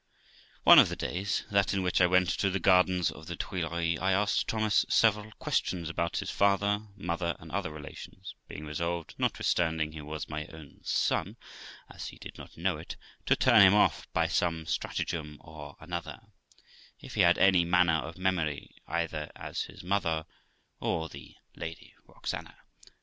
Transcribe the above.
One of the days, viz. that in which I went to the gardens of the Tuileries, I asked Thomas several questions about his father, mother, and other relations, being resolved, notwithstanding he was my own son, as he did not know it, to turn him off by some stratagem or another, if he had any manner of memory of me, either as his mother, or the Lady Roxana.